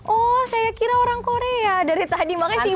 oh saya kira orang korea dari tadi makanya sibuk kan